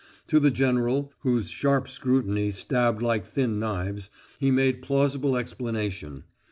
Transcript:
To the general, whose sharp scrutiny stabbed like thin knives, he made plausible explanation.